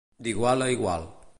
D'igual a igual.